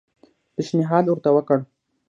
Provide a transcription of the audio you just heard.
پېشنهاد ورته وکړ.